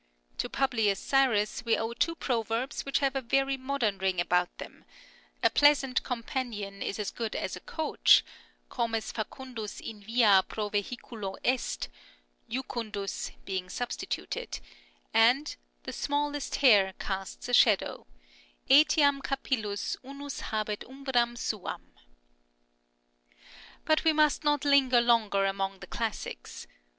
To Publius Syrus we owe two proverbs which have a very modern ring about them, " A pleasant com panion is as good as a coach "(" Comes facundus in via pro vehiculo est," jucundus being sub stituted) and " The smallest hair casts a shadow "(" Etiam capillus unus habet umbram suam "). But we must not linger longer among the classics.